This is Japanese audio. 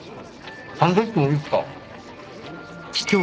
サンドイッチもいいっすか？